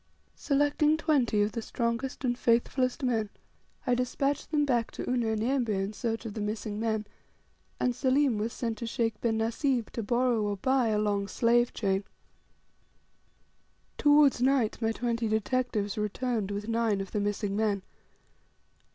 Selecting twenty of the strongest and faithfulest men I despatched them back to Unyanyembe in search of the missing men; and Selim was sent to Sheikh bin Nasib to borrow, or buy, a long slave chain. Towards night my twenty detectives returned with nine of the missing men.